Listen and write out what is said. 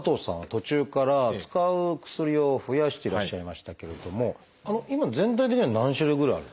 途中から使う薬を増やしてらっしゃいましたけれども今全体的には何種類ぐらいあるんですか？